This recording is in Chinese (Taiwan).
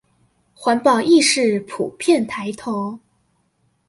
環保意識普遍抬頭